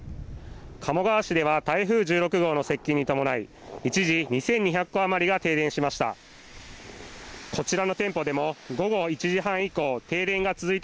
鴨川市では台風１６号の接近に伴い一時、２２００戸余りが停電しました。